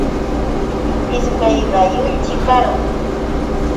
Ishkay bayulshi karqa.